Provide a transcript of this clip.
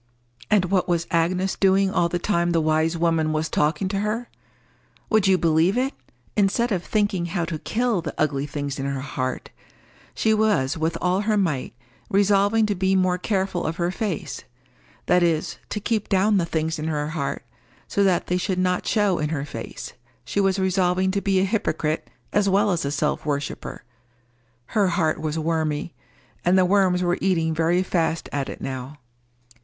And what was Agnes doing all the time the wise woman was talking to her? Would you believe it?—instead of thinking how to kill the ugly things in her heart, she was with all her might resolving to be more careful of her face, that is, to keep down the things in her heart so that they should not show in her face, she was resolving to be a hypocrite as well as a self worshipper. Her heart was wormy, and the worms were eating very fast at it now.